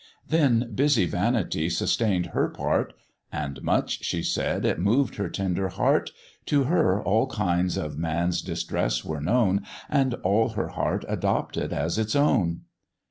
Then busy Vanity sustained her part, "And much," she said, "it moved her tender heart; To her all kinds of man's distress were known, And all her heart adopted as its own."